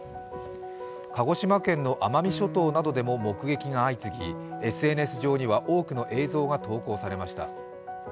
鹿児島県の奄美諸島などでも目撃が相次ぎＳＮＳ上には多くの映像が投稿されました。